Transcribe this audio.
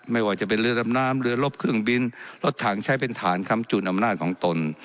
ไม่ว่าจะเป็นเรือดำน้ำเรือลบเครื่องบินรถถังใช้เป็นฐานคำจูนอำนาจของตน